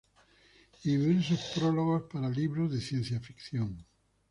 Y diversos prólogos para libros de ciencia ficción.